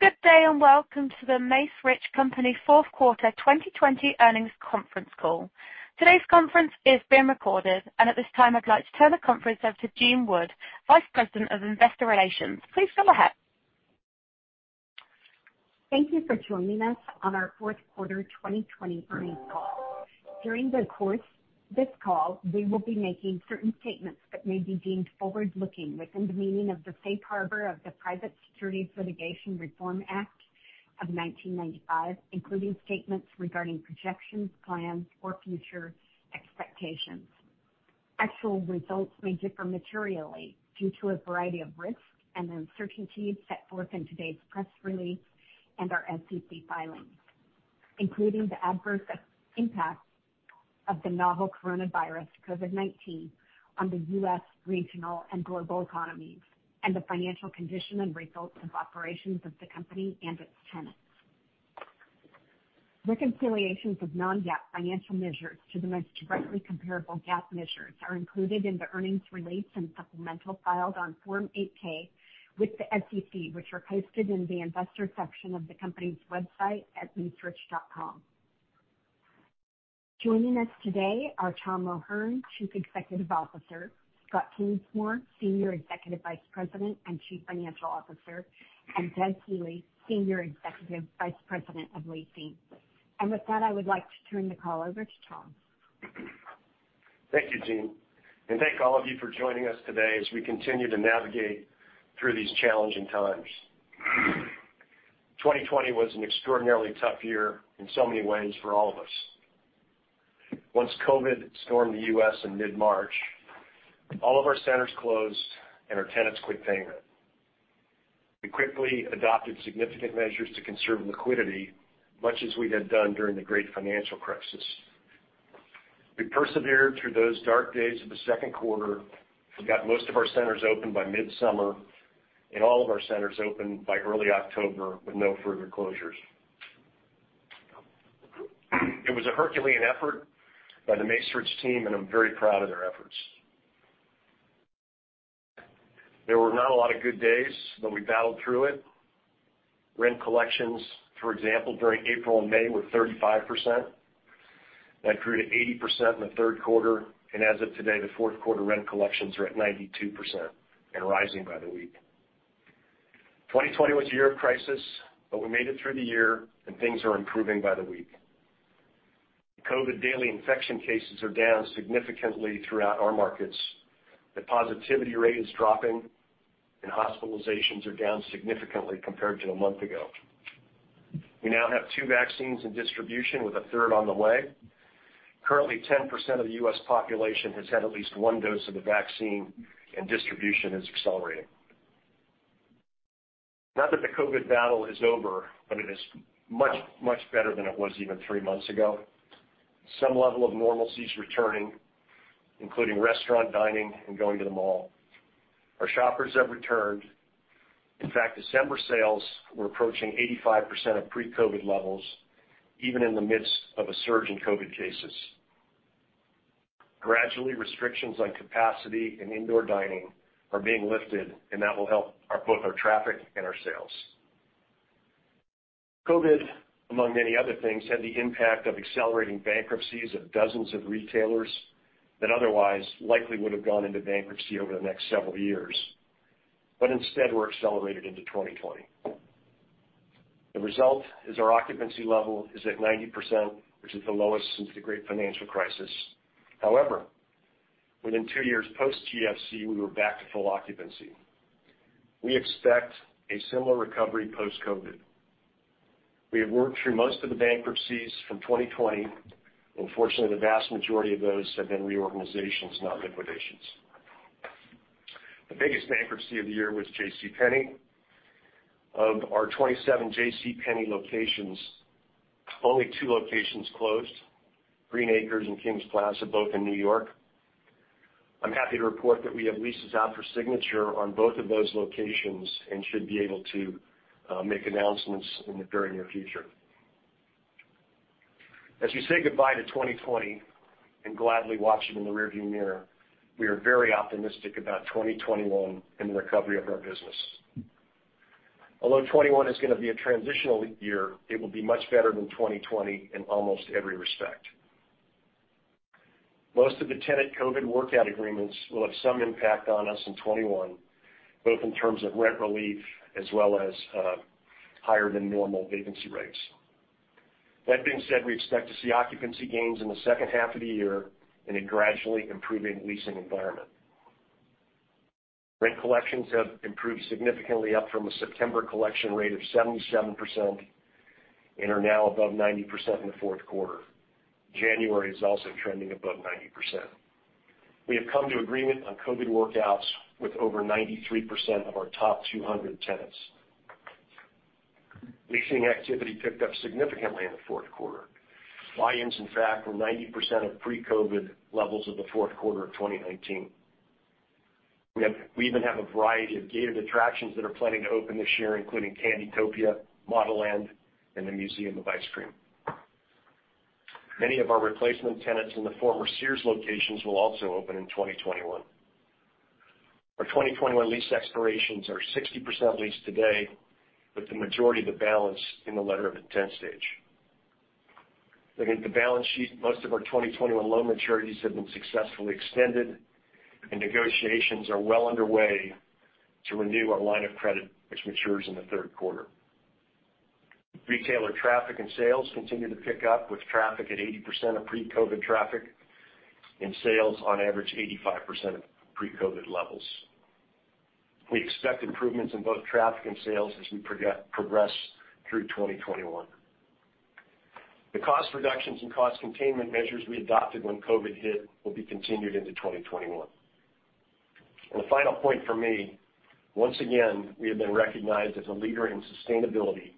Good day, and welcome to The Macerich Company fourth quarter 2020 earnings conference call. Today's conference is being recorded. At this time, I'd like to turn the conference over to Jean Wood, Vice President of Investor Relations. Please go ahead. Thank you for joining us on our fourth quarter 2020 earnings call. During the course of this call, we will be making certain statements that may be deemed forward-looking within the meaning of the safe harbor of the Private Securities Litigation Reform Act of 1995, including statements regarding projections, plans, or future expectations. Actual results may differ materially due to a variety of risks and uncertainties set forth in today's press release and our SEC filings, including the adverse impact of the novel coronavirus, COVID-19, on the U.S. regional and global economies, and the financial condition and results of operations of the company and its tenants. Reconciliations of non-GAAP financial measures to the most directly comparable GAAP measures are included in the earnings release and supplemental filed on Form 8-K with the SEC, which are hosted in the investor section of the company's website at macerich.com. Joining us today are Tom O'Hern, Chief Executive Officer, Scott Kingsmore, Senior Executive Vice President and Chief Financial Officer, and Doug Healey, Senior Executive Vice President of Leasing. With that, I would like to turn the call over to Tom. Thank you, Jean. Thank all of you for joining us today as we continue to navigate through these challenging times. 2020 was an extraordinarily tough year in so many ways for all of us. Once COVID stormed the U.S. in mid-March, all of our centers closed, and our tenants quit paying rent. We quickly adopted significant measures to conserve liquidity, much as we had done during the Great Financial Crisis. We persevered through those dark days of the second quarter. We got most of our centers open by midsummer, and all of our centers open by early October with no further closures. It was a Herculean effort by the Macerich team, and I'm very proud of their efforts. There were not a lot of good days, but we battled through it. Rent collections, for example, during April and May were 35%. That grew to 80% in the third quarter. As of today, the fourth quarter rent collections are at 92% and rising by the week. 2020 was a year of crisis. We made it through the year and things are improving by the week. COVID daily infection cases are down significantly throughout our markets. The positivity rate is dropping. Hospitalizations are down significantly compared to a month ago. We now have two vaccines in distribution with a third on the way. Currently, 10% of the U.S. population has had at least one dose of the vaccine. Distribution is accelerating. Not that the COVID battle is over, it is much, much better than it was even three months ago. Some level of normalcy is returning, including restaurant dining and going to the mall. Our shoppers have returned. In fact, December sales were approaching 85% of pre-COVID levels, even in the midst of a surge in COVID cases. Gradually, restrictions on capacity and indoor dining are being lifted, and that will help both our traffic and our sales. COVID, among many other things, had the impact of accelerating bankruptcies of dozens of retailers that otherwise likely would have gone into bankruptcy over the next several years, but instead were accelerated into 2020. The result is our occupancy level is at 90%, which is the lowest since the great financial crisis. However, within two years post-GFC, we were back to full occupancy. We expect a similar recovery post-COVID. We have worked through most of the bankruptcies from 2020. Fortunately, the vast majority of those have been reorganizations, not liquidations. The biggest bankruptcy of the year was J.C. Penney. Of our 27 J.C. Penney locations, only two locations closed. Green Acres and Kings Plaza, both in New York. I'm happy to report that we have leases out for signature on both of those locations and should be able to make announcements in the very near future. As we say goodbye to 2020 and gladly watch it in the rearview mirror, we are very optimistic about 2021 and the recovery of our business. Although 2021 is going to be a transitional year, it will be much better than 2020 in almost every respect. Most of the tenant COVID workout agreements will have some impact on us in 2021, both in terms of rent relief as well as higher than normal vacancy rates. That being said, we expect to see occupancy gains in the second half of the year in a gradually improving leasing environment. Rent collections have improved significantly up from a September collection rate of 77% and are now above 90% in the fourth quarter. January is also trending above 90%. We have come to agreement on COVID workouts with over 93% of our top 200 tenants. Leasing activity picked up significantly in the fourth quarter. Buy-ins, in fact, were 90% of pre-COVID levels of the fourth quarter of 2019. We even have a variety of gated attractions that are planning to open this year, including Candytopia, ModelLand, and the Museum of Ice Cream. Many of our replacement tenants in the former Sears locations will also open in 2021. Our 2021 lease expirations are 60% leased today, with the majority of the balance in the letter of intent stage. Looking at the balance sheet, most of our 2021 loan maturities have been successfully extended, and negotiations are well underway to renew our line of credit, which matures in the third quarter. Retailer traffic and sales continue to pick up, with traffic at 80% of pre-COVID-19 traffic and sales on average 85% of pre-COVID-19 levels. We expect improvements in both traffic and sales as we progress through 2021. The cost reductions and cost containment measures we adopted when COVID-19 hit will be continued into 2021. A final point from me, once again, we have been recognized as a leader in sustainability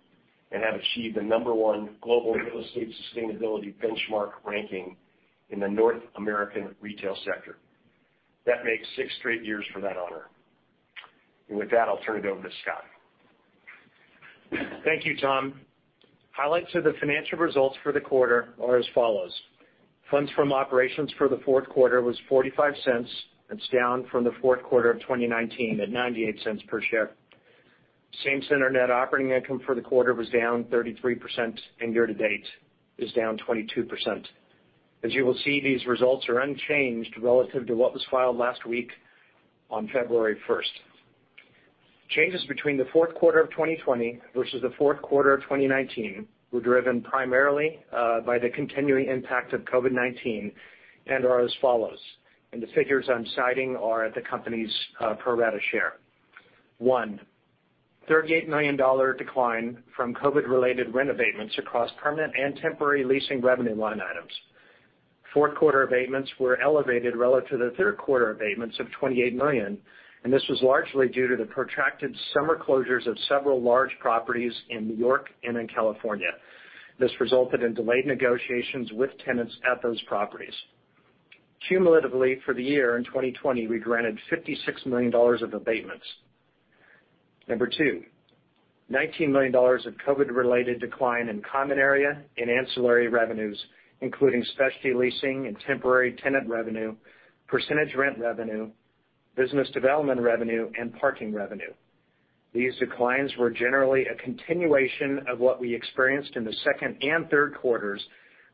and have achieved the number one Global Real Estate Sustainability Benchmark Ranking in the North American retail sector. That makes six straight years for that honor. With that, I'll turn it over to Scott. Thank you, Tom. Highlights of the financial results for the quarter are as follows. Funds from operations for the fourth quarter was $0.45. That's down from the fourth quarter of 2019 at $0.98 per share. Same center net operating income for the quarter was down 33%, and year-to-date is down 22%. As you will see, these results are unchanged relative to what was filed last week on February 1st. Changes between the fourth quarter of 2020 versus the fourth quarter of 2019 were driven primarily by the continuing impact of COVID-19 and are as follows. The figures I'm citing are at the company's pro rata share. 1. $38 million decline from COVID-related rent abatements across permanent and temporary leasing revenue line items. Fourth quarter abatements were elevated relative to the third quarter abatements of $28 million. This was largely due to the protracted summer closures of several large properties in New York and in California. This resulted in delayed negotiations with tenants at those properties. Cumulatively, for the year in 2020, we granted $56 million of abatements. Number two, $19 million of COVID-related decline in common area and ancillary revenues, including specialty leasing and temporary tenant revenue, percentage rent revenue, business development revenue, and parking revenue. These declines were generally a continuation of what we experienced in the second and third quarters,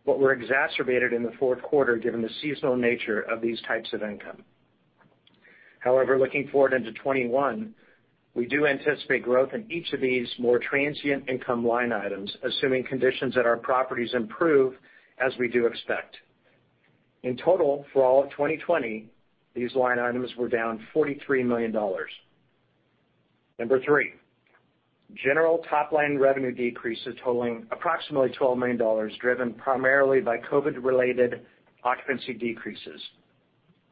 but were exacerbated in the fourth quarter given the seasonal nature of these types of income. However, looking forward into 2021, we do anticipate growth in each of these more transient income line items, assuming conditions at our properties improve as we do expect. In total, for all of 2020, these line items were down $43 million. Number three, general top-line revenue decreases totaling approximately $12 million, driven primarily by COVID-related occupancy decreases.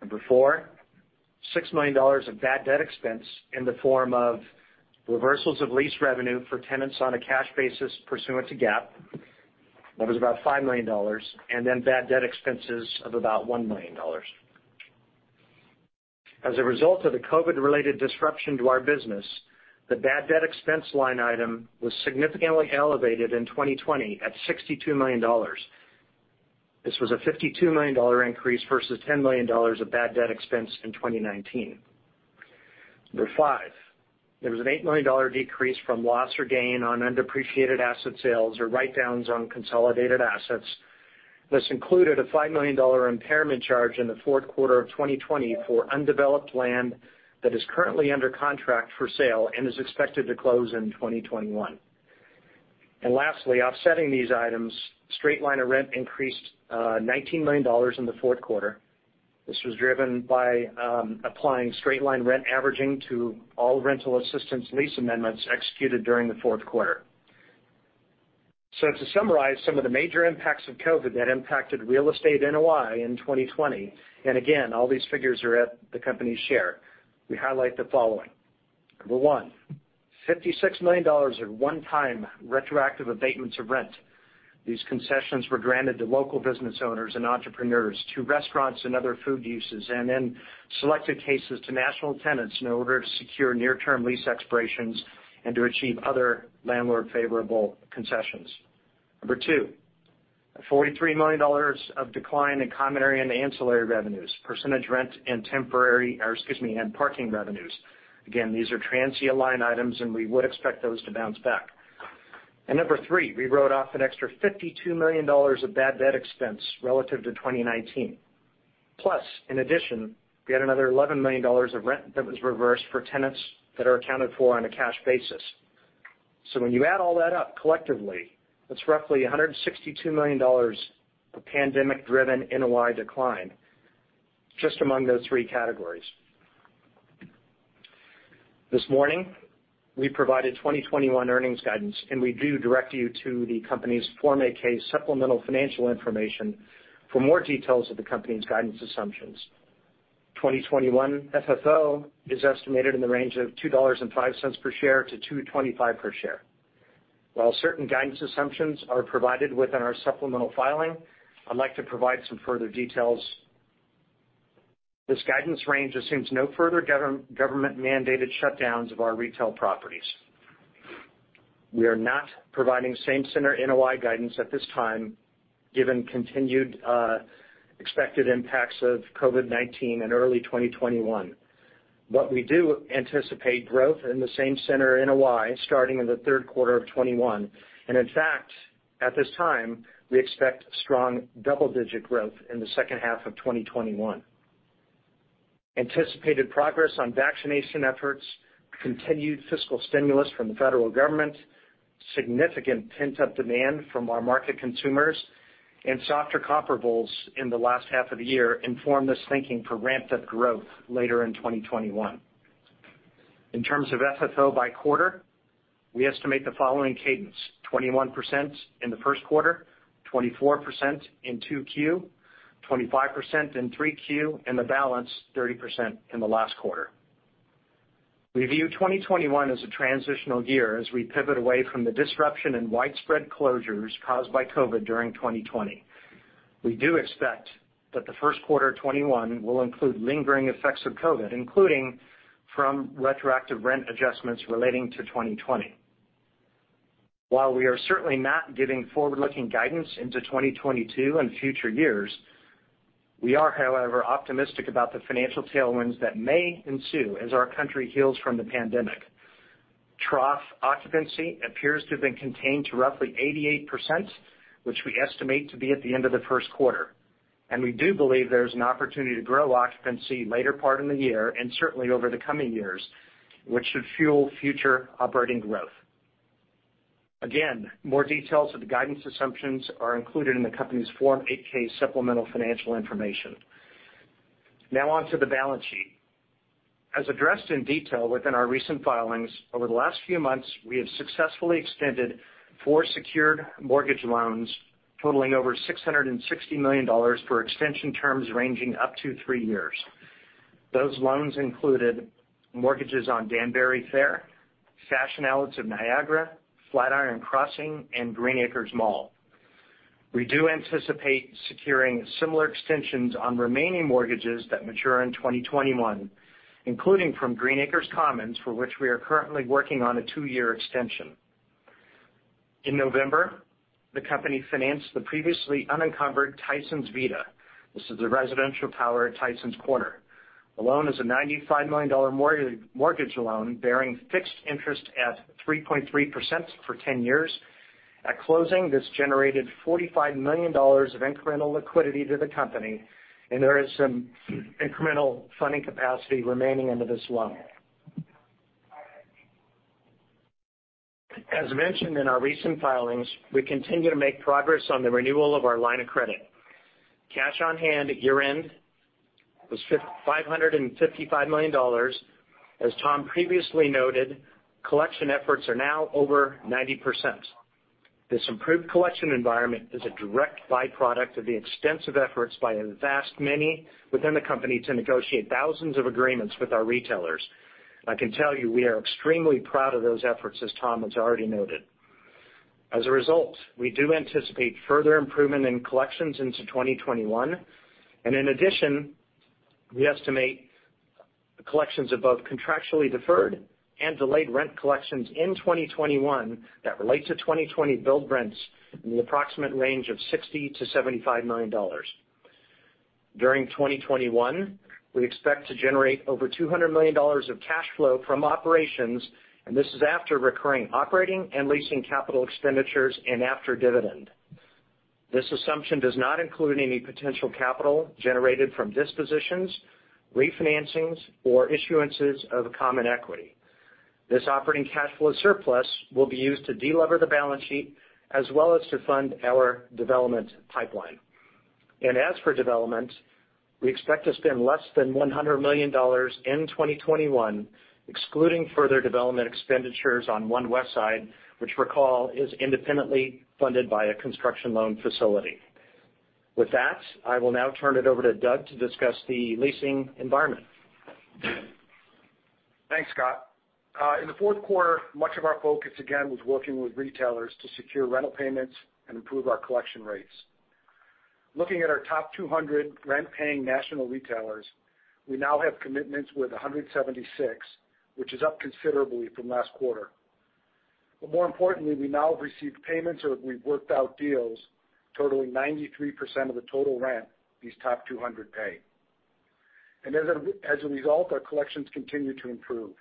Number four, $6 million of bad debt expense in the form of reversals of lease revenue for tenants on a cash basis pursuant to GAAP. That was about $5 million. Bad debt expenses of about $1 million. As a result of the COVID-related disruption to our business, the bad debt expense line item was significantly elevated in 2020 at $62 million. This was a $52 million increase versus $10 million of bad debt expense in 2019. Number five, there was an $8 million decrease from loss or gain on undepreciated asset sales or write-downs on consolidated assets. This included a $5 million impairment charge in the fourth quarter of 2020 for undeveloped land that is currently under contract for sale and is expected to close in 2021. Lastly, offsetting these items, straight line of rent increased $19 million in the fourth quarter. This was driven by applying straight line rent averaging to all rental assistance lease amendments executed during the fourth quarter. To summarize some of the major impacts of COVID-19 that impacted real estate NOI in 2020, and again, all these figures are at the company's share, we highlight the following. Number one, $56 million of one-time retroactive abatements of rent. These concessions were granted to local business owners and entrepreneurs, to restaurants and other food uses, and in selected cases, to national tenants in order to secure near-term lease expirations and to achieve other landlord favorable concessions. Number two, $43 million of decline in common area and ancillary revenues, percentage rent, or excuse me, and parking revenues. We would expect those to bounce back. Number three, we wrote off an extra $52 million of bad debt expense relative to 2019. Plus, in addition, we had another $11 million of rent that was reversed for tenants that are accounted for on a cash basis. When you add all that up collectively, that's roughly $162 million of pandemic-driven NOI decline just among those three categories. This morning, we provided 2021 earnings guidance. We do direct you to the company's Form 8-K supplemental financial information for more details of the company's guidance assumptions. 2021 FFO is estimated in the range of $2.05 per share to $2.25 per share. While certain guidance assumptions are provided within our supplemental filing, I'd like to provide some further details. This guidance range assumes no further government-mandated shutdowns of our retail properties. We are not providing same-center NOI guidance at this time, given continued expected impacts of COVID-19 in early 2021. We do anticipate growth in the same-center NOI starting in the third quarter of 2021, and in fact, at this time, we expect strong double-digit growth in the second half of 2021. Anticipated progress on vaccination efforts, continued fiscal stimulus from the federal government, significant pent-up demand from our market consumers, and softer comparables in the last half of the year inform this thinking for ramped-up growth later in 2021. In terms of FFO by quarter, we estimate the following cadence, 21% in the first quarter, 24% in 2Q, 25% in 3Q, and the balance, 30% in the last quarter. We view 2021 as a transitional year as we pivot away from the disruption in widespread closures caused by COVID during 2020. We do expect that the first quarter of 2021 will include lingering effects of COVID, including from retroactive rent adjustments relating to 2020. While we are certainly not giving forward-looking guidance into 2022 and future years, we are, however, optimistic about the financial tailwinds that may ensue as our country heals from the pandemic. Trough occupancy appears to have been contained to roughly 88%, which we estimate to be at the end of the first quarter, and we do believe there's an opportunity to grow occupancy later part in the year and certainly over the coming years, which should fuel future operating growth. Again, more details of the guidance assumptions are included in the company's Form 8-K supplemental financial information. Now on to the balance sheet. As addressed in detail within our recent filings, over the last few months we have successfully extended four secured mortgage loans totaling over $660 million for extension terms ranging up to three years. Those loans included mortgages on Danbury Fair, Fashion Outlets of Niagara, Flatiron Crossing, and Green Acres Mall. We do anticipate securing similar extensions on remaining mortgages that mature in 2021, including from Green Acres Commons, for which we are currently working on a two-year extension. In November, the company financed the previously uncovered Tysons VITA. This is a residential tower at Tysons Corner. The loan is a $95 million mortgage loan bearing fixed interest at 3.3% for 10 years. At closing, this generated $45 million of incremental liquidity to the company, and there is some incremental funding capacity remaining under this loan. As mentioned in our recent filings, we continue to make progress on the renewal of our line of credit. Cash on hand at year-end was $555 million. As Tom previously noted, collection efforts are now over 90%. This improved collection environment is a direct byproduct of the extensive efforts by a vast many within the company to negotiate thousands of agreements with our retailers. I can tell you we are extremely proud of those efforts, as Tom has already noted. As a result, we do anticipate further improvement in collections into 2021, and in addition, we estimate the collections of both contractually deferred and delayed rent collections in 2021 that relate to 2020 billed rents in the approximate range of $60 million-$75 million. During 2021, we expect to generate over $200 million of cash flow from operations, this is after recurring operating and leasing capital expenditures and after dividend. This assumption does not include any potential capital generated from dispositions, refinancings, or issuances of common equity. This operating cash flow surplus will be used to de-lever the balance sheet as well as to fund our development pipeline. As for development, we expect to spend less than $100 million in 2021, excluding further development expenditures on One Westside, which recall is independently funded by a construction loan facility. With that, I will now turn it over to Doug to discuss the leasing environment. Thanks, Scott. In the fourth quarter, much of our focus again was working with retailers to secure rental payments and improve our collection rates. Looking at our top 200 rent-paying national retailers, we now have commitments with 176, which is up considerably from last quarter. More importantly, we now have received payments or we've worked out deals totaling 93% of the total rent these top 200 pay. As a result, our collections continue to improve.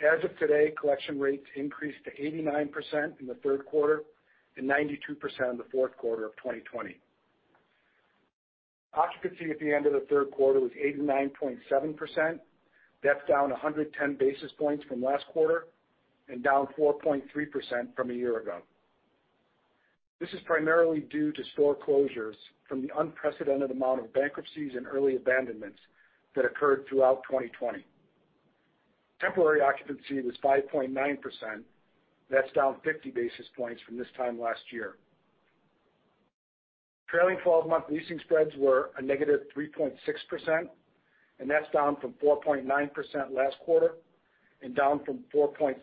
As of today, collection rates increased to 89% in the third quarter and 92% in the fourth quarter of 2020. Occupancy at the end of the third quarter was 89.7%. That's down 110 basis points from last quarter and down 4.3% from a year ago. This is primarily due to store closures from the unprecedented amount of bankruptcies and early abandonments that occurred throughout 2020. Temporary occupancy was 5.9%. That's down 50 basis points from this time last year. Trailing 12-month leasing spreads were a negative 3.6%, and that's down from 4.9% last quarter and down from 4.7%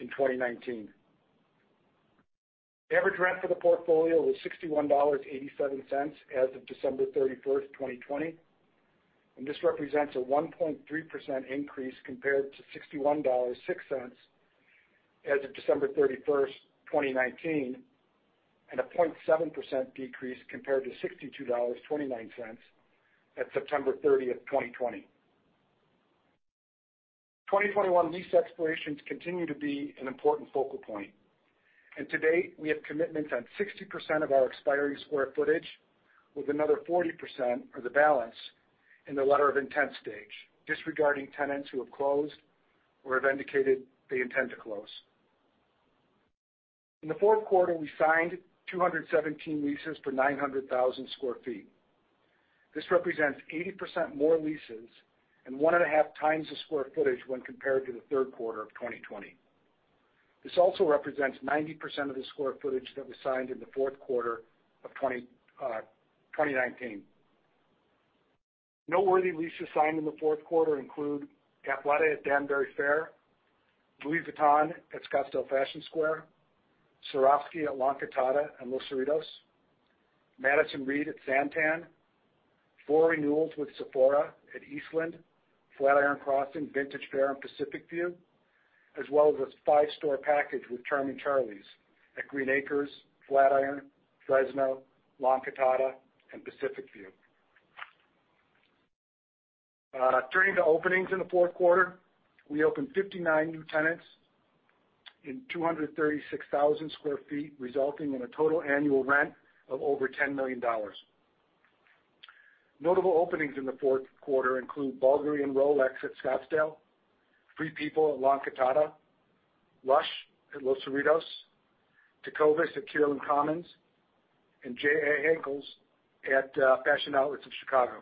in 2019. Average rent for the portfolio was $61.87 as of December 31st, 2020, and this represents a 1.3% increase compared to $61.06 as of December 31st, 2019, and a 0.7% decrease compared to $62.29 at September 30th, 2020. 2021 lease expirations continue to be an important focal point, and to date, we have commitments on 60% of our expiring square footage with another 40%, or the balance, in the letter of intent stage, disregarding tenants who have closed or have indicated they intend to close. In the fourth quarter, we signed 217 leases for 900,000 square feet. This represents 80% more leases and one and a half times the square footage when compared to the third quarter of 2020. This also represents 90% of the square footage that was signed in the fourth quarter of 2019. Noteworthy leases signed in the fourth quarter include Athleta at Danbury Fair, Louis Vuitton at Scottsdale Fashion Square, Swarovski at La Encantada and Los Cerritos, Madison Reed at SanTan, four renewals with Sephora at Eastland, Flatiron Crossing, Vintage Faire, and Pacific View, as well as a five-store package with Charming Charlie at Green Acres, Flatiron, Fresno, La Encantada, and Pacific View. Turning to openings in the fourth quarter, we opened 59 new tenants in 236,000 square feet, resulting in a total annual rent of over $10 million. Notable openings in the fourth quarter include Bulgari and Rolex at Scottsdale, Free People at La Encantada, Lush at Los Cerritos, Tocaya at Kierland Commons, and J.A. Henckels at Fashion Outlets of Chicago.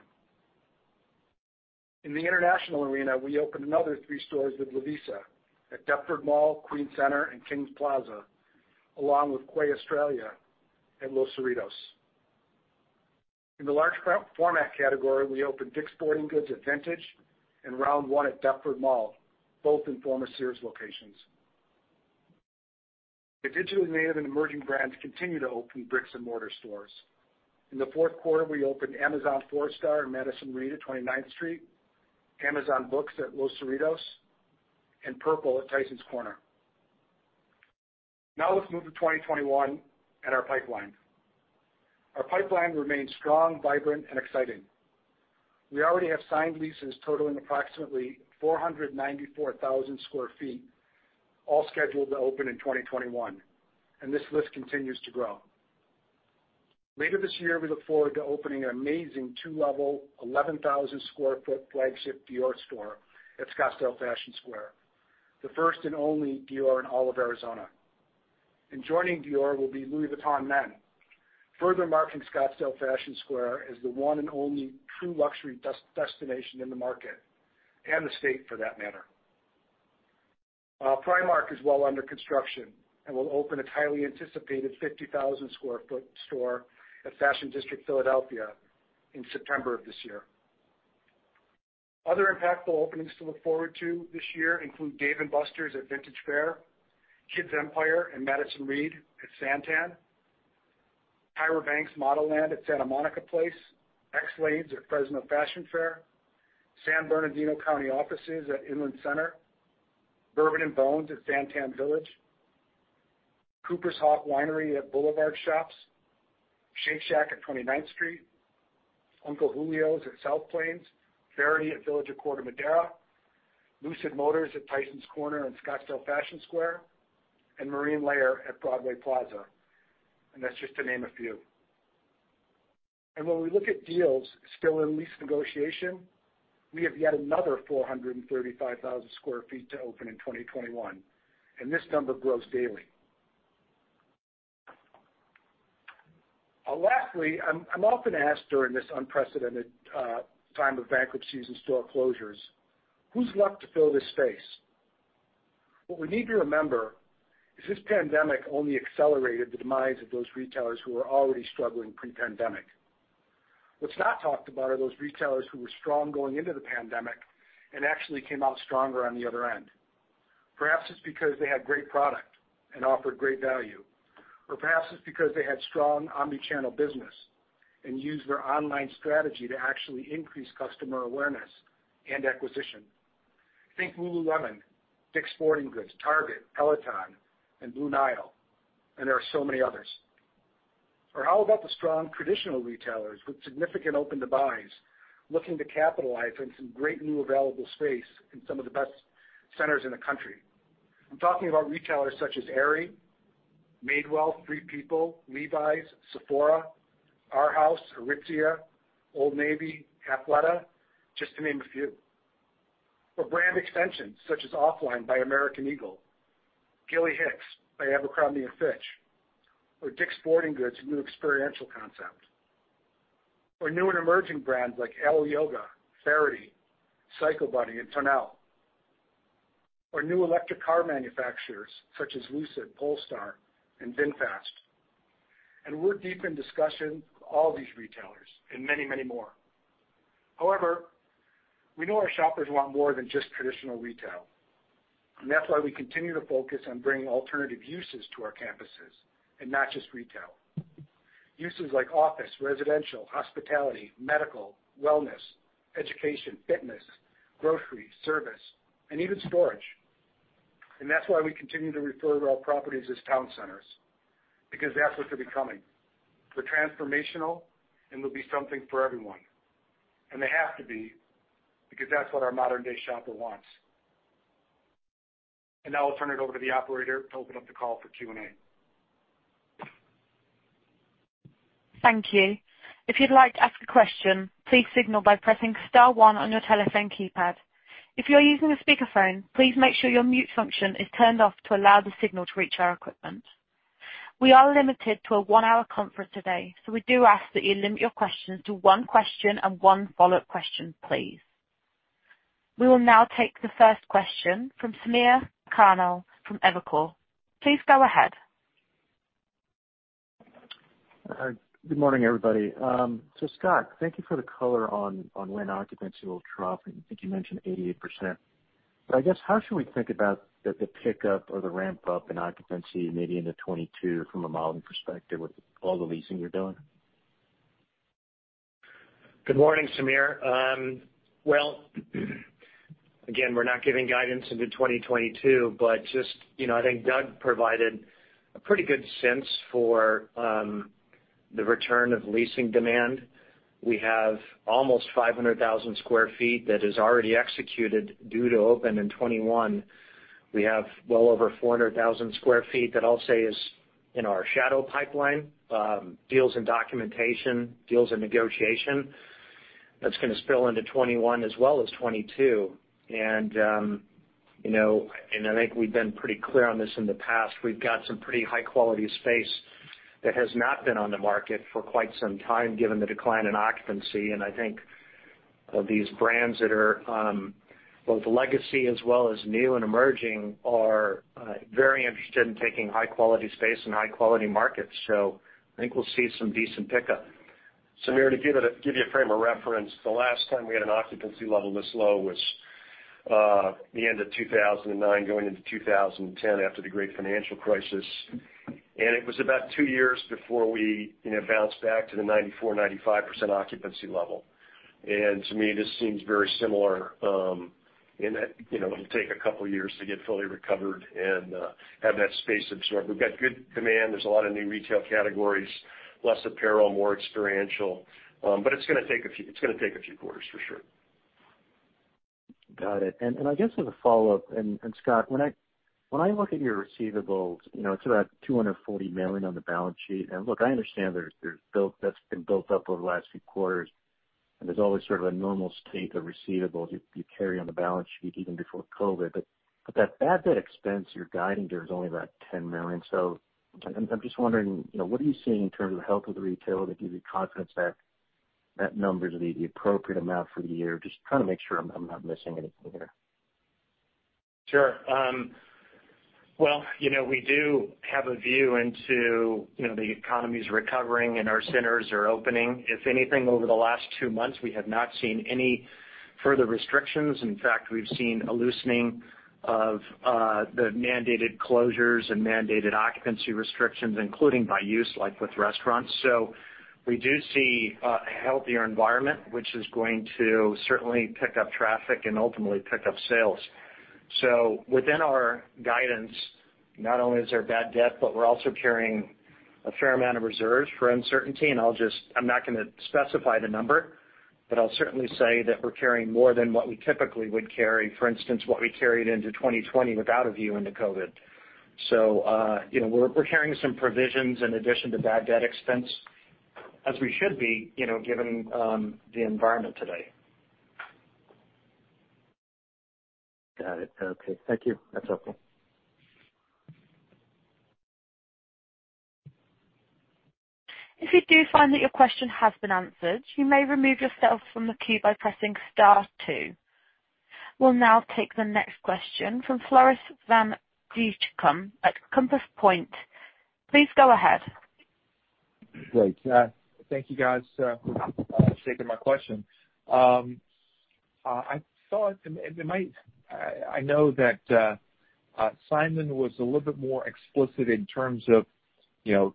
In the international arena, we opened another three stores with Lovisa at Deptford Mall, Queens Center, and Kings Plaza, along with Quay Australia at Los Cerritos. In the large format category, we opened Dick's Sporting Goods at Vintage and Round One at Deptford Mall, both in former Sears locations. The digital native and emerging brands continue to open bricks and mortar stores. In the fourth quarter, we opened Amazon 4-star in Madison Reed at 29th Street, Amazon Books at Los Cerritos, and Purple at Tysons Corner. Now let's move to 2021 and our pipeline. Our pipeline remains strong, vibrant, and exciting. We already have signed leases totaling approximately 494,000 square feet, all scheduled to open in 2021, and this list continues to grow. Later this year, we look forward to opening an amazing two-level, 11,000 square foot flagship Dior store at Scottsdale Fashion Square, the first and only Dior in all of Arizona. Joining Dior will be Louis Vuitton Men, further marking Scottsdale Fashion Square as the one and only true luxury destination in the market and the state for that matter. Primark is well under construction and will open its highly anticipated 50,000 square foot store at Fashion District Philadelphia in September of this year. Other impactful openings to look forward to this year include Dave & Buster's at Vintage Faire, Kids Empire and Madison Reed at SanTan, Tyra Banks Modelland at Santa Monica Place, XLanes at Fresno Fashion Fair, San Bernardino County Offices at Inland Center, Bourbon & Bones at SanTan Village, Cooper's Hawk Winery at Boulevard Shops, Shake Shack at 29th Street, Uncle Julio's at South Plains, Faherty at Village of Corte Madera, Lucid Motors at Tysons Corner and Scottsdale Fashion Square, and Marine Layer at Broadway Plaza. That's just to name a few. When we look at deals still in lease negotiation, we have yet another 435,000 square feet to open in 2021, and this number grows daily. Lastly, I'm often asked during this unprecedented time of bankruptcies and store closures, who's left to fill this space? What we need to remember is this pandemic only accelerated the demise of those retailers who were already struggling pre-pandemic. What's not talked about are those retailers who were strong going into the pandemic and actually came out stronger on the other end. Perhaps it's because they had great product and offered great value, or perhaps it's because they had strong omni-channel business and used their online strategy to actually increase customer awareness and acquisition. Think Lululemon, Dick's Sporting Goods, Target, Peloton, and Blue Nile. There are so many others. How about the strong traditional retailers with significant open demand looking to capitalize on some great new available space in some of the best centers in the country? I'm talking about retailers such as Aerie, Madewell, Free People, Levi's, Sephora, Arhaus, Aritzia, Old Navy, Athleta, just to name a few. Brand extensions such as OFFLINE by American Eagle, Gilly Hicks by Abercrombie & Fitch, or Dick's Sporting Goods' new experiential concept. New and emerging brands like Alo Yoga, Faherty, Psycho Bunny, and Tonlé. New electric car manufacturers such as Lucid, Polestar, and VinFast. We're deep in discussion with all these retailers and many more. However, we know our shoppers want more than just traditional retail, and that's why we continue to focus on bringing alternative uses to our campuses and not just retail, uses like office, residential, hospitality, medical, wellness, education, fitness, grocery, service, and even storage. That's why we continue to refer to our properties as town centers, because that's what they're becoming. They're transformational and there'll be something for everyone, and they have to be, because that's what our modern-day shopper wants. Now I'll turn it over to the operator to open up the call for Q&A. Thank you. If you'd like to ask a question, please signal by pressing star one on your telephone keypad. If you're using a speakerphone, please make sure your mute function is turned off to allow the signal to reach our equipment. We are limited to a one-hour conference today, so we do ask that you limit your questions to one question and one follow-up question, please. We will now take the first question from Samir Khanal from Evercore. Please go ahead. Good morning, everybody. Scott, thank you for the color on when occupancy will drop. I think you mentioned 88%, I guess how should we think about the pickup or the ramp-up in occupancy, maybe into 2022 from a modeling perspective with all the leasing you're doing? Good morning, Samir. Well, again, we're not giving guidance into 2022, but just, I think Doug provided a pretty good sense for the return of leasing demand. We have almost 500,000 square feet that is already executed due to open in 2021. We have well over 400,000 square feet that I'll say is in our shadow pipeline, deals in documentation, deals in negotiation. That's going to spill into 2021 as well as 2022. I think we've been pretty clear on this in the past. We've got some pretty high-quality space that has not been on the market for quite some time, given the decline in occupancy. I think of these brands that are both legacy as well as new and emerging are very interested in taking high-quality space and high-quality markets. I think we'll see some decent pickup. Samir, to give you a frame of reference, the last time we had an occupancy level this low was the end of 2009 going into 2010 after the Great Financial Crisis. It was about two years before we bounced back to the 94%, 95% occupancy level. To me, this seems very similar, in that it'll take a couple of years to get fully recovered and have that space absorbed. We've got good demand. There's a lot of new retail categories, less apparel, more experiential. It's going to take a few quarters, for sure. Got it. I guess as a follow-up, Scott, when I look at your receivables, it's about $240 million on the balance sheet. Look, I understand that's been built up over the last few quarters, and there's always sort of a normal state of receivables you carry on the balance sheet even before COVID-19. That bad debt expense you're guiding there is only about $10 million. I'm just wondering, what are you seeing in terms of the health of the retail that gives you confidence that number is the appropriate amount for the year? Just trying to make sure I'm not missing anything here. Well, we do have a view into the economy's recovering, and our centers are opening. If anything, over the last two months, we have not seen any further restrictions. In fact, we've seen a loosening of the mandated closures and mandated occupancy restrictions, including by use, like with restaurants. We do see a healthier environment, which is going to certainly pick up traffic and ultimately pick up sales. Within our guidance, not only is there bad debt, but we're also carrying a fair amount of reserves for uncertainty. I'm not going to specify the number, but I'll certainly say that we're carrying more than what we typically would carry, for instance, what we carried into 2020 without a view into COVID. We're carrying some provisions in addition to bad debt expense, as we should be, given the environment today. Got it. Okay. Thank you. That's helpful. If you do find that your question has been answered, you may remove yourself from the queue by pressing star two. We'll now take the next question from Floris van Dijkum at Compass Point. Please go ahead. Great. Thank you, guys, for taking my question. I know that Simon was a little bit more explicit in terms of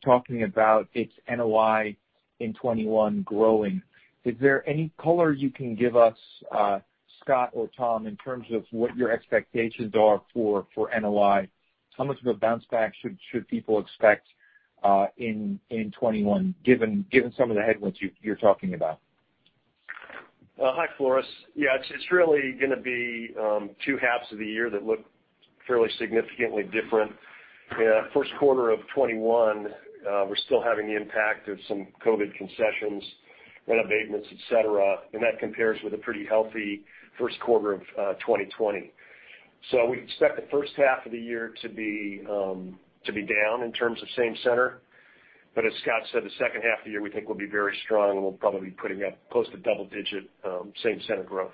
talking about its NOI in 2021 growing. Is there any color you can give us, Scott or Tom, in terms of what your expectations are for NOI? How much of a bounce back should people expect in 2021, given some of the headwinds you're talking about? Hi, Floris. Yeah, it's really going to be two halves of the year that look fairly significantly different. First quarter of 2021, we're still having the impact of some COVID-19 concessions, rent abatements, et cetera. That compares with a pretty healthy first quarter of 2020. We expect the first half of the year to be down in terms of same center. As Scott said, the second half of the year we think will be very strong, and we'll probably be putting up close to double-digit same center growth.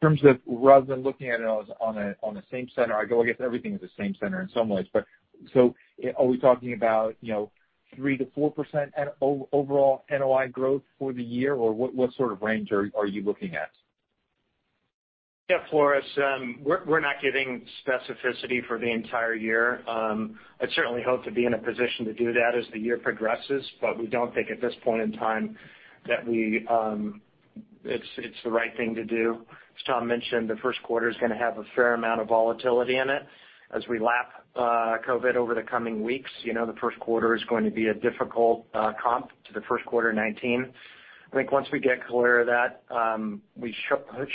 In terms of rather than looking at it on the same center, I go against everything as the same center in some ways. Are we talking about 3%-4% overall NOI growth for the year? What sort of range are you looking at? Yeah, Floris, we're not giving specificity for the entire year. I'd certainly hope to be in a position to do that as the year progresses, but we don't think at this point in time that it's the right thing to do. As Tom mentioned, the first quarter is going to have a fair amount of volatility in it as we lap COVID over the coming weeks. The first quarter is going to be a difficult comp to the first quarter of 2019. I think once we get clear of that, we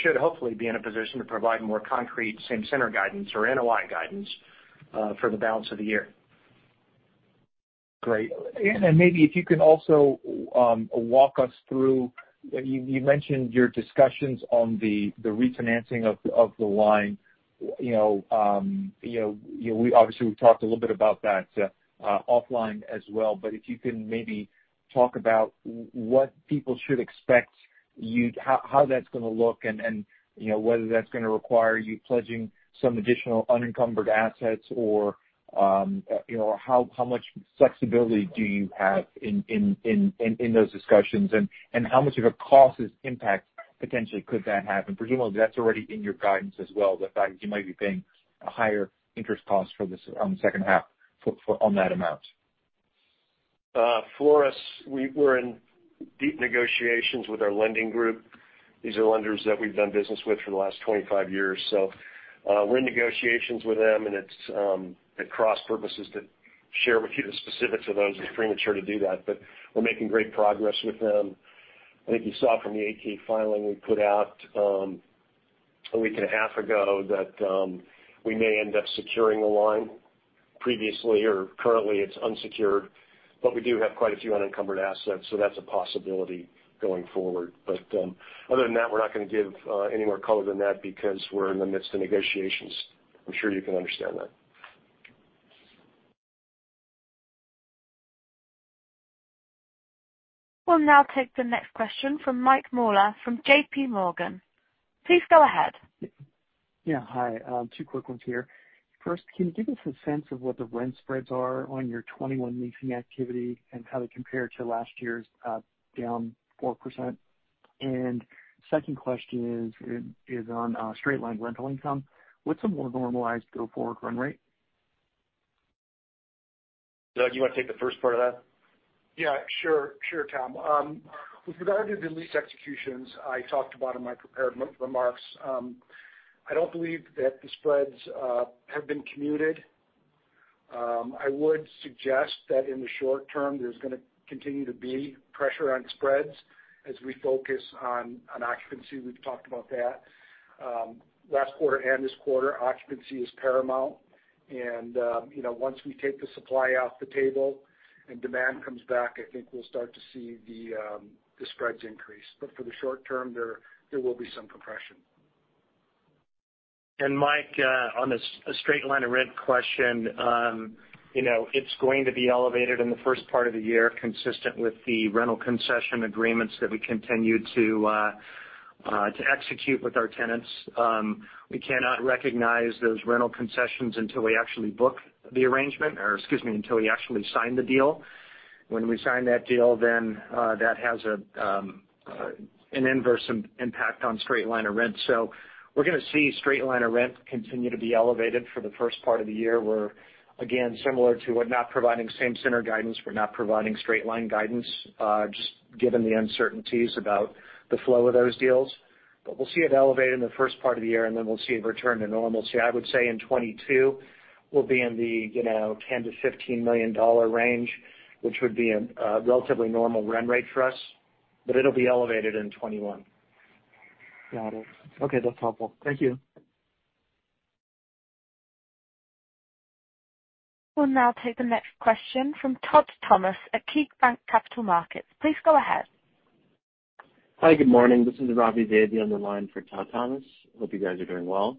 should hopefully be in a position to provide more concrete same center guidance or NOI guidance for the balance of the year. Great. Maybe if you can also walk us through, you mentioned your discussions on the refinancing of the line. Obviously, we've talked a little bit about that offline as well, if you can maybe talk about what people should expect, how that's going to look, and whether that's going to require you pledging some additional unencumbered assets or how much flexibility do you have in those discussions, and how much of a cost impact potentially could that have? Presumably that's already in your guidance as well, the fact that you might be paying a higher interest cost for the second half on that amount. Floris, we're in deep negotiations with our lending group. These are lenders that we've done business with for the last 25 years. We're in negotiations with them, and it's at cross purposes to share with you the specifics of those. It's premature to do that, but we're making great progress with them. I think you saw from the 8-K filing we put out a week and a half ago that we may end up securing a line. Previously or currently it's unsecured, but we do have quite a few unencumbered assets, so that's a possibility going forward. Other than that, we're not going to give any more color than that because we're in the midst of negotiations. I'm sure you can understand that. We'll now take the next question from Mike Mueller from J.P. Morgan. Please go ahead. Yeah. Hi. Two quick ones here. First, can you give us a sense of what the rent spreads are on your 2021 leasing activity and how they compare to last year's down 4%? Second question is on straight line rental income. What's a more normalized go forward run rate? Doug, you want to take the first part of that? Sure, Tom. With regard to the lease executions I talked about in my prepared remarks, I don't believe that the spreads have been computed. I would suggest that in the short term, there's going to continue to be pressure on spreads as we focus on occupancy. We've talked about that. Last quarter and this quarter, occupancy is paramount. Once we take the supply off the table and demand comes back, I think we'll start to see the spreads increase. For the short term, there will be some compression. Mike, on the straight line of rent question, it's going to be elevated in the first part of the year, consistent with the rental concession agreements that we continue to execute with our tenants. We cannot recognize those rental concessions until we actually book the arrangement, or excuse me, until we actually sign the deal. When we sign that deal, that has an inverse impact on straight line of rent. We're going to see straight line of rent continue to be elevated for the first part of the year, where again, similar to we're not providing same center guidance, we're not providing straight line guidance, just given the uncertainties about the flow of those deals. We'll see it elevated in the first part of the year, and then we'll see it return to normalcy. I would say in 2022, we'll be in the $10-$15 million range, which would be a relatively normal run rate for us. It'll be elevated in 2021. Got it. Okay, that's helpful. Thank you. We'll now take the next question from Todd Thomas at KeyBanc Capital Markets. Please go ahead. Hi, good morning. This is Ravi Vaidya on the line for Todd Thomas. Hope you guys are doing well.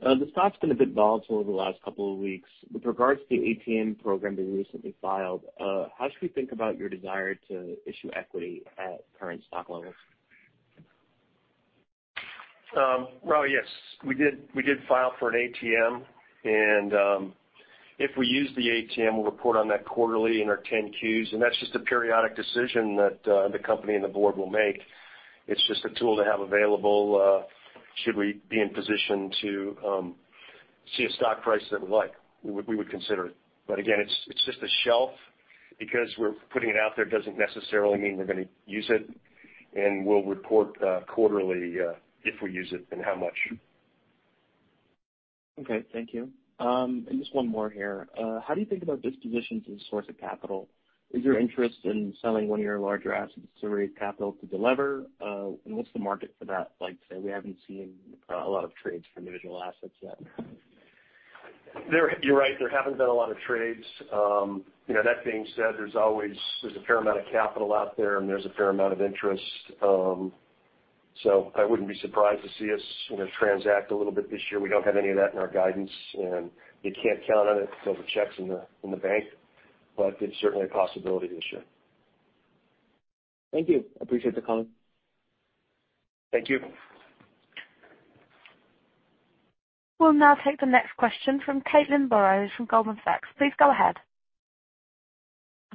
The stock's been a bit volatile over the last couple of weeks. With regards to the ATM program that you recently filed, how should we think about your desire to issue equity at current stock levels? Ravi, yes. We did file for an ATM. If we use the ATM, we'll report on that quarterly in our 10-Qs. That's just a periodic decision that the company and the board will make. It's just a tool to have available should we be in position to see a stock price that we like. We would consider it. Again, it's just a shelf. We're putting it out there doesn't necessarily mean we're going to use it. We'll report quarterly if we use it and how much. Okay. Thank you. Just one more here. How do you think about dispositions as a source of capital? Is there interest in selling one of your larger assets to raise capital to delever? What's the market for that like today? We haven't seen a lot of trades for individual assets yet. You're right. There haven't been a lot of trades. That being said, there's a fair amount of capital out there, and there's a fair amount of interest. I wouldn't be surprised to see us transact a little bit this year. We don't have any of that in our guidance, and you can't count on it until the check's in the bank. It's certainly a possibility this year. Thank you. Appreciate the call. Thank you. We'll now take the next question from Caitlin Burrows from Goldman Sachs. Please go ahead.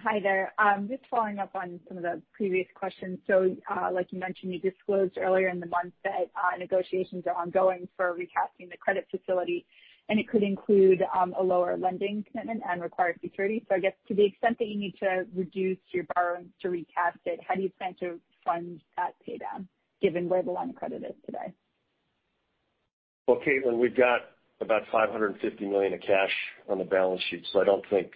Hi there. Just following up on some of the previous questions. Like you mentioned, you disclosed earlier in the month that negotiations are ongoing for recasting the credit facility, and it could include a lower lending commitment and required security. I guess to the extent that you need to reduce your borrowing to recast it, how do you plan to fund that pay down given where the line of credit is today? Caitlin, we've got about $550 million of cash on the balance sheet, so I don't think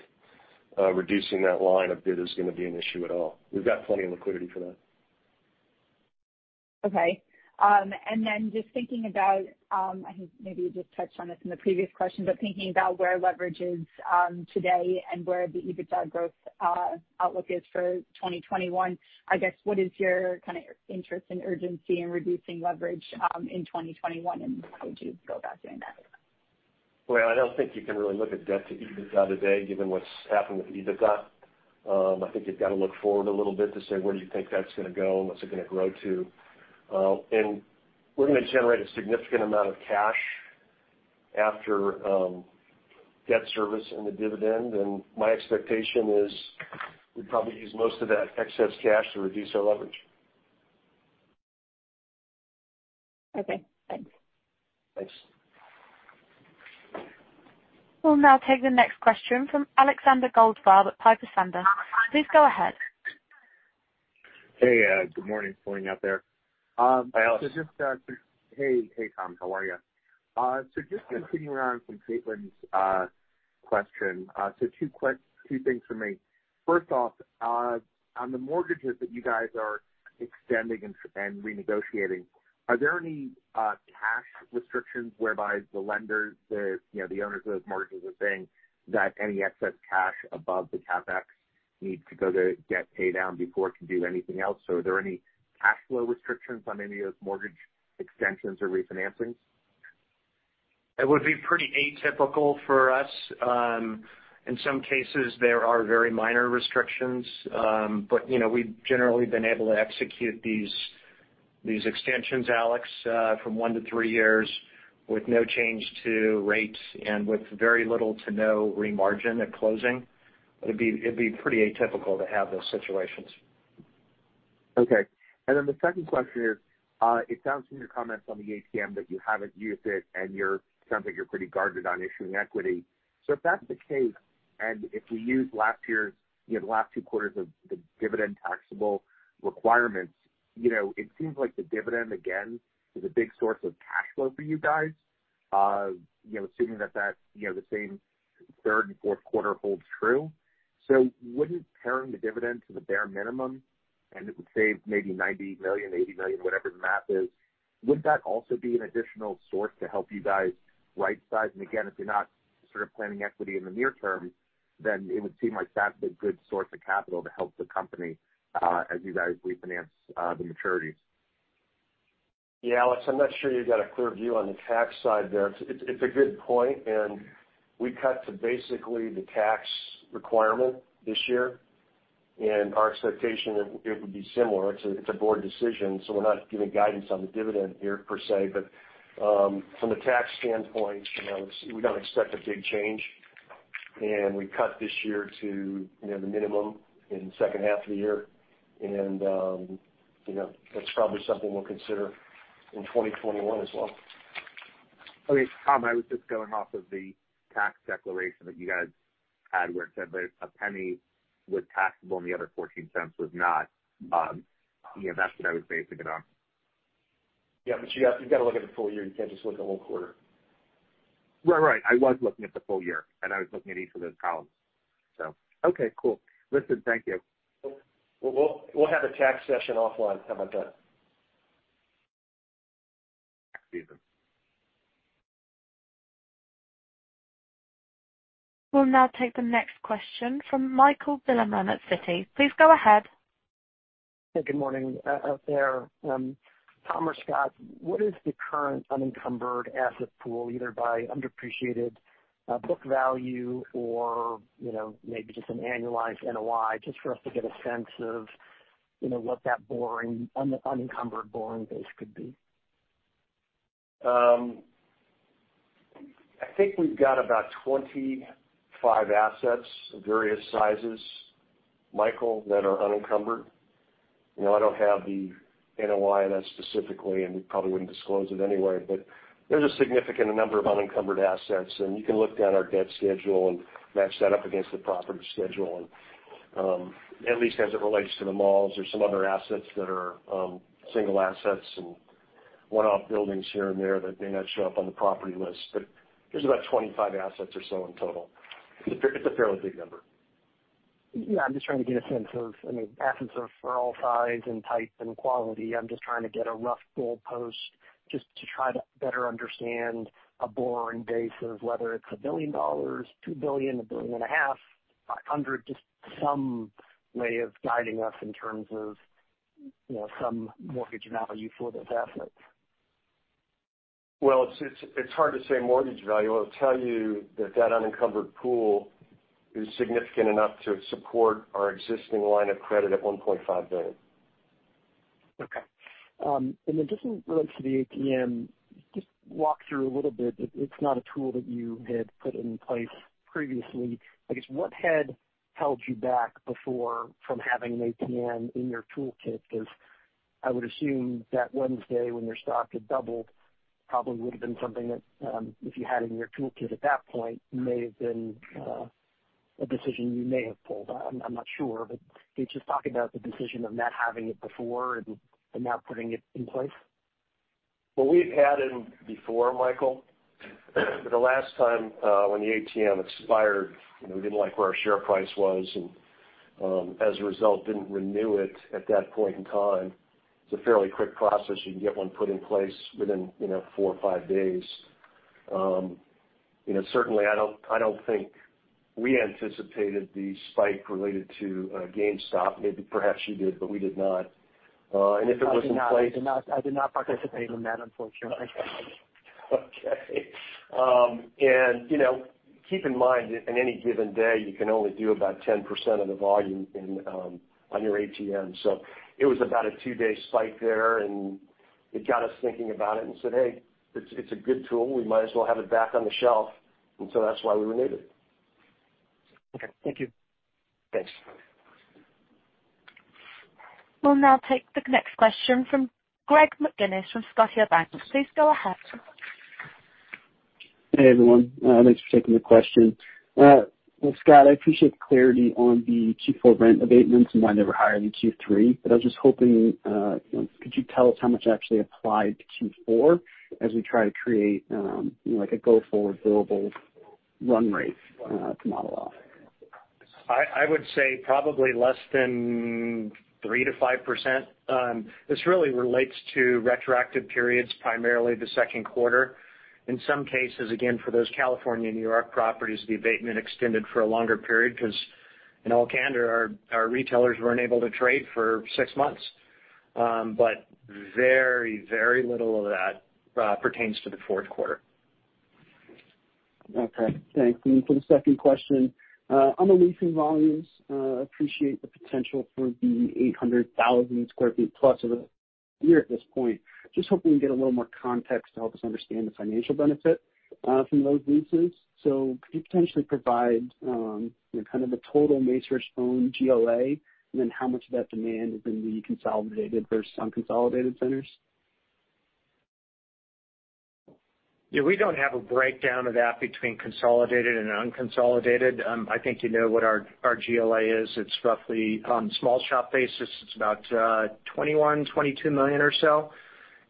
reducing that line a bit is going to be an issue at all. We've got plenty of liquidity for that. Okay. Just thinking about, I think maybe you just touched on this in the previous question, thinking about where leverage is today and where the EBITDA growth outlook is for 2021, I guess what is your kind of interest and urgency in reducing leverage in 2021? How would you go about doing that? Well, I don't think you can really look at debt to EBITDA today given what's happened with EBITDA. I think you've got to look forward a little bit to say where you think that's going to go and what's it going to grow to. We're going to generate a significant amount of cash after debt service and the dividend, and my expectation is we'd probably use most of that excess cash to reduce our leverage. Okay, thanks. Thanks. We'll now take the next question from Alexander Goldfarb at Piper Sandler. Please go ahead. Hey, good morning. It's pouring out there. Hi, Alex. Hey, Tom. How are you? Just continuing on from Caitlin's question. Two things from me. First off, on the mortgages that you guys are extending and renegotiating, are there any cash restrictions whereby the lenders, the owners of those mortgages are saying that any excess cash above the CapEx needs to go to debt paydown before it can do anything else? Are there any cash flow restrictions on any of those mortgage extensions or refinancings? It would be pretty atypical for us. In some cases, there are very minor restrictions. We've generally been able to execute these extensions, Alex, from one to three years with no change to rates and with very little to no re-margin at closing. It'd be pretty atypical to have those situations. Okay. The second question is, it sounds from your comments on the ATM that you haven't used it, and it sounds like you're pretty guarded on issuing equity. If that's the case, and if we use the last two quarters of the dividend taxable requirements, it seems like the dividend again is a big source of cash flow for you guys, assuming that the same third and fourth quarter holds true. Wouldn't paring the dividend to the bare minimum and it would save maybe $90 million, $80 million, whatever the math is, would that also be an additional source to help you guys right-size? Again, if you're not sort of planning equity in the near term, it would seem like that's a good source of capital to help the company as you guys refinance the maturities. Yeah, Alex, I'm not sure you got a clear view on the tax side there. It's a good point. We cut to basically the tax requirement this year. Our expectation it would be similar. It's a board decision. We're not giving guidance on the dividend here per se. From a tax standpoint, we don't expect a big change. We cut this year to the minimum in the second half of the year. That's probably something we'll consider in 2021 as well. Okay. Tom, I was just going off of the tax declaration that you guys had where it said that $0.01 was taxable and the other $0.14 was not. That's what I was basing it on. Yeah, you've got to look at the full year. You can't just look at one quarter. Right. I was looking at the full year, and I was looking at each of those columns. Okay, cool. Listen, thank you. We'll have a tax session offline sometime. See you then. We'll now take the next question from Michael Bilerman at Citi. Please go ahead. Hey, good morning out there. Tom or Scott, what is the current unencumbered asset pool, either by undepreciated book value or maybe just an annualized NOI, just for us to get a sense of what that unencumbered borrowing base could be? I think we've got about 25 assets of various sizes, Michael, that are unencumbered. I don't have the NOI on that specifically, and we probably wouldn't disclose it anyway. There's a significant number of unencumbered assets, and you can look down our debt schedule and match that up against the property schedule. At least as it relates to the malls. There's some other assets that are single assets and one-off buildings here and there that may not show up on the property list. There's about 25 assets or so in total. It's a fairly big number. Yeah, I'm just trying to get a sense of assets for all size and type and quality. I'm just trying to get a rough goalpost just to try to better understand a borrowing base of whether it's $1 billion, $2 billion, $1.5 billion, $500, just some way of guiding us in terms of some mortgage value for those assets. Well, it's hard to say mortgage value. I'll tell you that that unencumbered pool is significant enough to support our existing line of credit at $1.5 billion. Okay. Just in relation to the ATM, just walk through a little bit. It's not a tool that you had put in place previously. I guess, what had held you back before from having an ATM in your toolkit? I would assume that Wednesday when your stock had doubled, probably would've been something that, if you had it in your toolkit at that point, may have been a decision you may have pulled. I'm not sure. Can you just talk about the decision of not having it before and now putting it in place? Well, we've had it before, Michael. The last time, when the ATM expired, we didn't like where our share price was, and, as a result, didn't renew it at that point in time. It's a fairly quick process. You can get one put in place within four or five days. Certainly, I don't think we anticipated the spike related to GameStop. Maybe perhaps you did, but we did not. If it was in place. I did not participate in that, unfortunately. Okay. Keep in mind, in any given day, you can only do about 10% of the volume on your ATM. It was about a two-day spike there, and it got us thinking about it and said, "Hey, it's a good tool. We might as well have it back on the shelf." That's why we renewed it. Okay. Thank you. Thanks. We'll now take the next question from Greg McGinnis from Scotiabank. Please go ahead. Hey, everyone. Thanks for taking the question. Well, Scott, I appreciate the clarity on the Q4 rent abatements and why they were higher than Q3, but I was just hoping, could you tell us how much actually applied to Q4 as we try to create a go forward billable run rate to model off? I would say probably less than 3%-5%. This really relates to retroactive periods, primarily the second quarter. In some cases, again, for those California and New York properties, the abatement extended for a longer period because, in all candor, our retailers weren't able to trade for six months. Very little of that pertains to the fourth quarter. Okay, thanks. For the second question, on the leasing volumes, appreciate the potential for the 800,000 square feet plus of the year at this point. Just hoping we can get a little more context to help us understand the financial benefit from those leases. Could you potentially provide the kind of the total Macerich owned GLA, and then how much of that demand is in the consolidated versus unconsolidated centers? Yeah. We don't have a breakdown of that between consolidated and unconsolidated. I think you know what our GLA is. It's roughly on small shop basis, it's about 21 million, 22 million or so.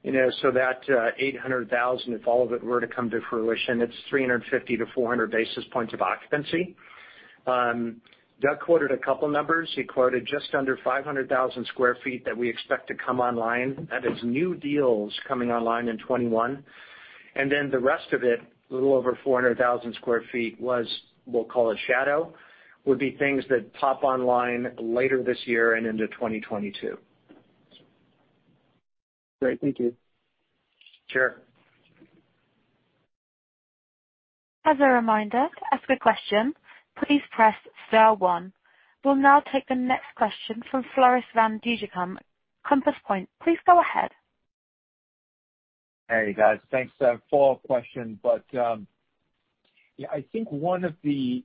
That 800,000, if all of it were to come to fruition, it's 350-400 basis points of occupancy. Doug quoted a couple of numbers. He quoted just under 500,000 square feet that we expect to come online. That is new deals coming online in 2021. Then the rest of it, a little over 400,000 square feet was, we'll call it shadow, would be things that pop online later this year and into 2022. Great. Thank you. Sure. As a reminder, to ask a question, please press star one. We'll now take the next question from Floris van Dijkum, Compass Point. Please go ahead. Hey, guys. Thanks. A follow-up question. Yeah, I think one of the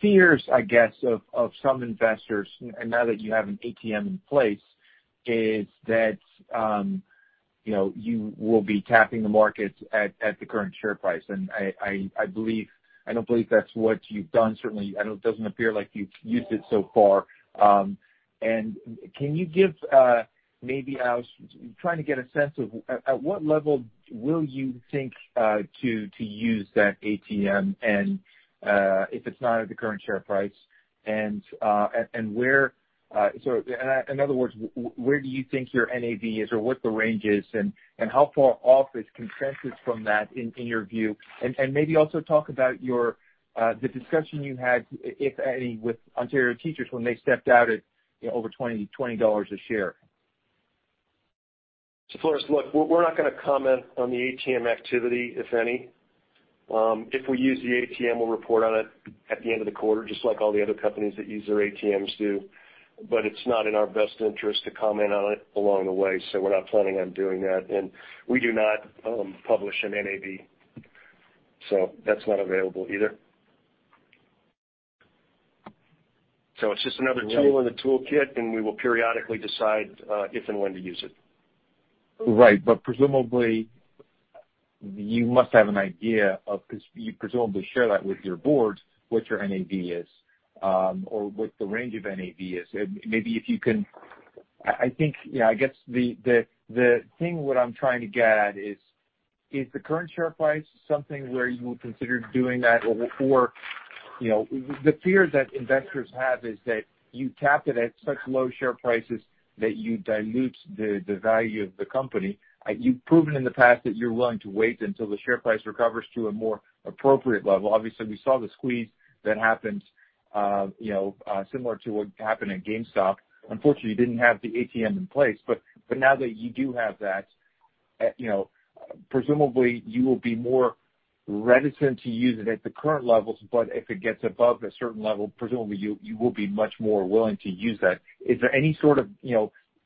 fears, I guess, of some investors, and now that you have an ATM in place, is that you will be tapping the markets at the current share price. I don't believe that's what you've done. Certainly, I know it doesn't appear like you've used it so far. Can you give, maybe I was trying to get a sense of at what level will you think to use that ATM, and if it's not at the current share price. In other words, where do you think your NAV is, or what the range is, and how far off is consensus from that in your view? Maybe also talk about the discussion you had, if any, with Ontario Teachers when they stepped out at over $20 a share. Floris, look, we're not going to comment on the ATM activity, if any. If we use the ATM, we'll report on it at the end of the quarter, just like all the other companies that use their ATMs do. It's not in our best interest to comment on it along the way. We're not planning on doing that. We do not publish an NAV. That's not available either. It's just another tool in the toolkit, and we will periodically decide if and when to use it. Right. Presumably, you must have an idea of, because you presumably share that with your board, what your NAV is, or what the range of NAV is. Maybe if you can I guess the thing what I'm trying to get at is the current share price something where you will consider doing that? The fear that investors have is that you tap it at such low share prices that you dilute the value of the company. You've proven in the past that you're willing to wait until the share price recovers to a more appropriate level. Obviously, we saw the squeeze that happened similar to what happened at GameStop. Unfortunately, you didn't have the ATM in place. Now that you do have that Presumably, you will be more reticent to use it at the current levels, but if it gets above a certain level, presumably you will be much more willing to use that. Is there any sort of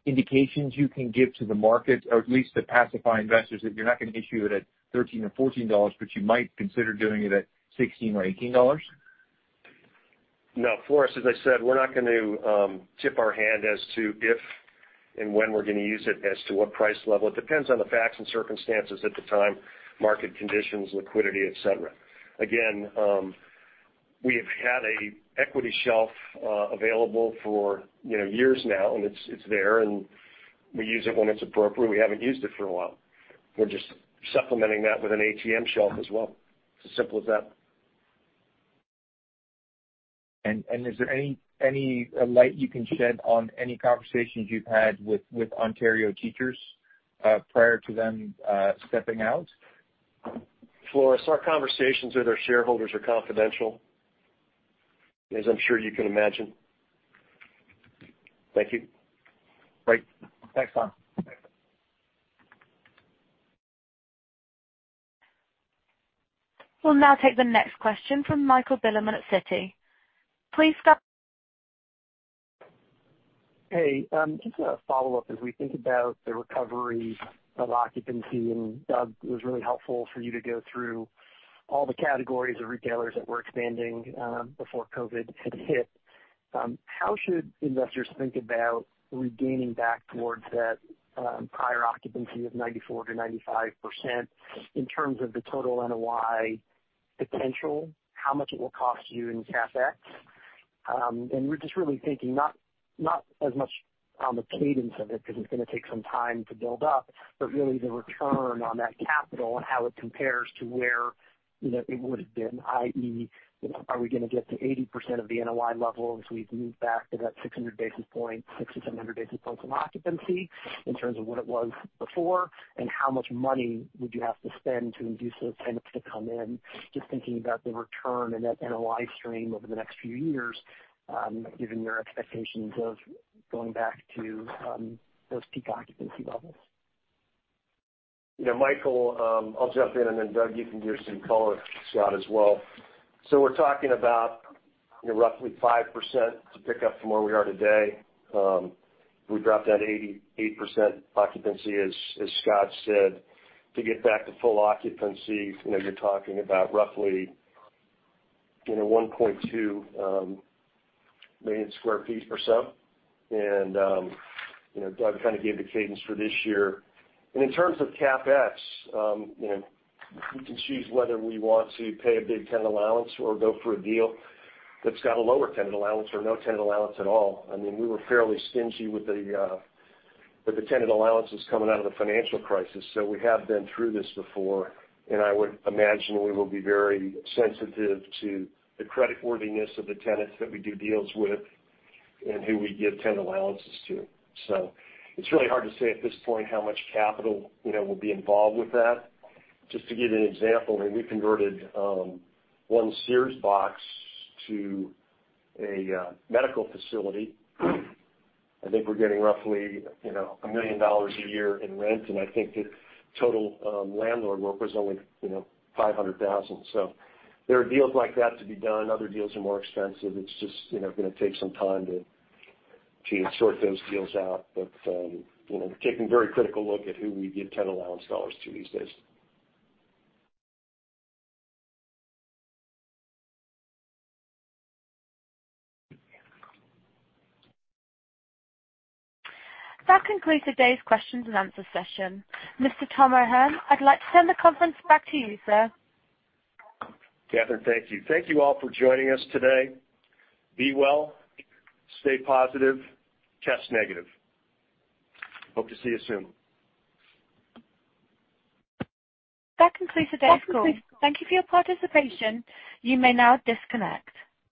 indications you can give to the market, or at least to pacify investors that you're not going to issue it at $13 or $14, but you might consider doing it at $16 or $18? No. Floris, as I said, we're not going to tip our hand as to if and when we're going to use it, as to what price level. It depends on the facts and circumstances at the time, market conditions, liquidity, et cetera. We have had an equity shelf available for years now, and it's there, and we use it when it's appropriate. We haven't used it for a while. We're just supplementing that with an ATM shelf as well. It's as simple as that. Is there any light you can shed on any conversations you've had with Ontario Teachers prior to them stepping out? Floris, our conversations with our shareholders are confidential, as I'm sure you can imagine. Thank you. Great. Thanks, Tom. We'll now take the next question from Michael Bilerman at Citi. Please go ahead. Hey. Just a follow-up as we think about the recovery of occupancy, Doug, it was really helpful for you to go through all the categories of retailers that were expanding before COVID had hit. How should investors think about regaining back towards that prior occupancy of 94%-95% in terms of the total NOI potential, how much it will cost you in CapEx? We're just really thinking not as much on the cadence of it, because it's going to take some time to build up, but really the return on that capital and how it compares to where it would have been, i.e., are we going to get to 80% of the NOI level as we move back to that 600 basis point, 600, 700 basis points on occupancy in terms of what it was before? How much money would you have to spend to induce those tenants to come in? Just thinking about the return and that NOI stream over the next few years, given your expectations of going back to those peak occupancy levels. Michael, I'll jump in, and then Doug, you can give some color to Scott as well. We're talking about roughly 5% to pick up from where we are today. We dropped at 88% occupancy, as Scott said. To get back to full occupancy, you're talking about roughly 1.2 million sq ft or so. Doug kind of gave the cadence for this year. In terms of CapEx, we can choose whether we want to pay a big tenant allowance or go for a deal that's got a lower tenant allowance or no tenant allowance at all. We were fairly stingy with the tenant allowances coming out of the financial crisis. We have been through this before, and I would imagine we will be very sensitive to the creditworthiness of the tenants that we do deals with and who we give tenant allowances to. It's really hard to say at this point how much capital will be involved with that. Just to give you an example, we converted one Sears box to a medical facility. I think we're getting roughly $1 million a year in rent, and I think the total landlord work was only $500,000. There are deals like that to be done. Other deals are more expensive. It's just going to take some time to sort those deals out. We're taking a very critical look at who we give tenant allowance dollars to these days. That concludes today's questions and answer session. Mr. Tom O'Hern, I'd like to turn the conference back to you, sir. Catherine, thank you. Thank you all for joining us today. Be well, stay positive, test negative. Hope to see you soon. That concludes today's call. Thank you for your participation. You may now disconnect.